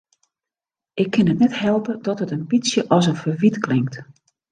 Ik kin it net helpe dat it in bytsje as in ferwyt klinkt.